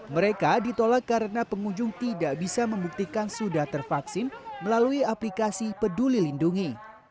mereka ditolak karena pengunjung tidak bisa membuktikan sudah tervaksin melalui aplikasi peduli lindungi